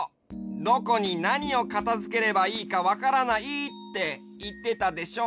「どこになにをかたづければいいかわからない」っていってたでしょ？